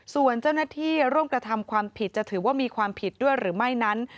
ส่วนเจ้าหน้าที่ร่วมกระทำความผิดจะถือว่ามีความผิดด้วยหรือไม่นั้น